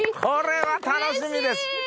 これは楽しみです。